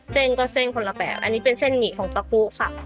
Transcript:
เส้นก็เส้นคนละแบบอันนี้เป็นเส้นหมี่ของซากุค่ะ